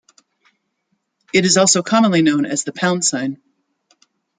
It is also commonly known as the "pound sign".